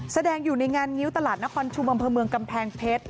แสดงอยู่ในงานงิ้วตลาดนครชุมอำเภอเมืองกำแพงเพชร